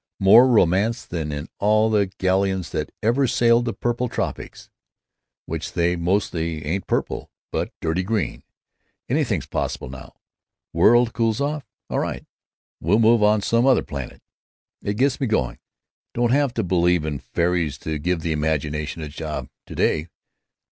More romance than in all the galleons that ever sailed the purple tropics, which they mostly ain't purple, but dirty green. Anything 's possible now. World cools off—a'right, we'll move on to some other planet. It gets me going. Don't have to believe in fairies to give the imagination a job, to day.